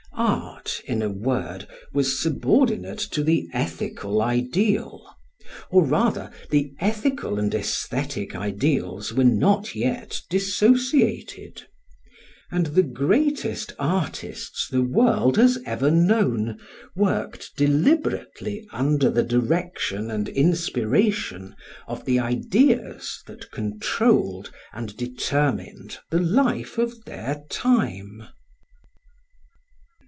Art, in a word, was subordinate to the ethical ideal; or rather the ethical and aesthetic ideals were not yet dissociated; and the greatest artists the world has ever known worked deliberately under the direction and inspiration of the ideas that controlled and determined the life of their time.